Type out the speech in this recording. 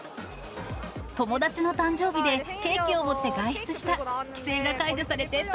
友達の誕生日で、ケーキを持って外出した。